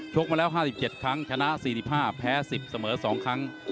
มาแล้ว๕๗ครั้งชนะ๔๕แพ้๑๐เสมอ๒ครั้ง